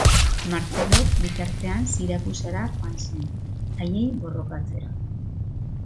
Martzelok bitartean Sirakusara joan zen, haiei borrokatzera.